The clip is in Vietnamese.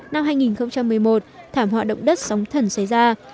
năm hai nghìn một mươi một thảm họa động đất sóng thần xảy ra